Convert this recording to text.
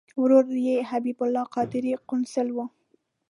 ورور یې حبیب الله قادري قونسل و.